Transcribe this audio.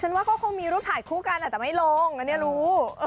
ฉันว่าก็คงมีรูปถ่ายคู่กันแต่ไม่ลงแล้วนี่รู้